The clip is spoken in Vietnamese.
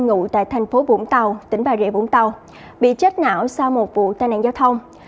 ngụ tại thành phố vũng tàu tỉnh bà rịa vũng tàu bị chết não sau một vụ tai nạn giao thông